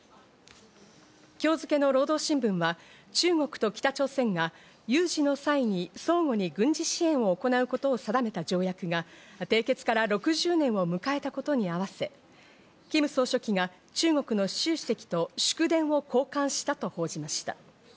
今日付の労働新聞は中国と北朝鮮が有事の際に相互に軍事支援を行うことを定めた条約が締結から６０年を迎えたことに合わせ、キム総書記が中国のシュウ主席と祝電を交換したと報じました。